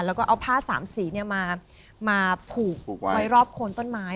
แล้วก็เอาผ้าสามสีมาผูกไว้รอบโคนต้นไม้